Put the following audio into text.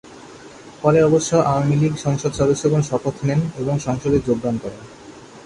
পরে অবশ্য আওয়ামী লীগ সংসদ সদস্যগণ শপথ নেন, এবং সংসদে যোগ দান করেন।